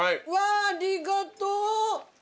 うわありがとう。